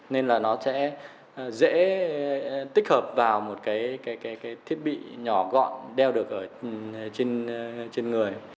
nên là nó sẽ dễ tích hợp vào một cái thiết bị nhỏ gọn đeo được trên người